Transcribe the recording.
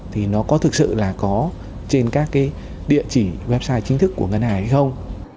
thì nó có thực sự là có trên các cái địa chỉ website chính thức của ngân hàng hay không